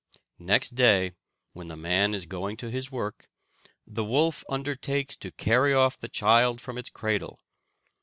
Next day, when the man is going to his work, the wolf undertakes to carry off the child from its cradle.